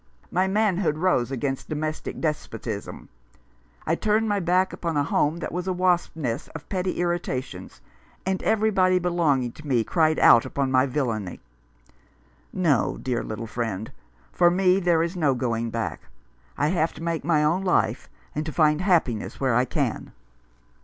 My manhood rose against domestic despotism. I turned my back upon a home that was a wasp's nest of petty irritations, and everybody belonging to me cried out upon my villainy. No, dear little friend, for me there is no going back. I have to make my own life, and to find happiness where I can."